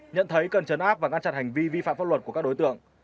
nhận thấy cần chấn áp và ngăn chặn hành vi vi phạm pháp luật của các đối tượng